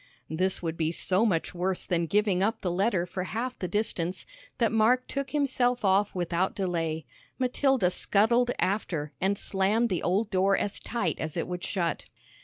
This would be so much worse than giving up the letter for half the distance, that Mark took himself off without delay. Matilda scuttled after and slammed the old door as tight as it would shut.